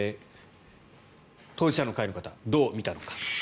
当事者の会の方、どう見たのか。